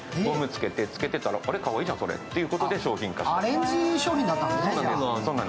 アレンジ商品だったんですね。